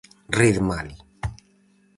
Rei de Mali.